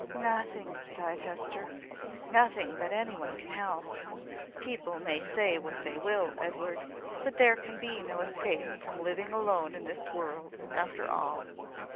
"Nothing," sighed Hester. "Nothing that any one can help . People may say what they will, Edward: but there can be no escape from living alone in this world, after all."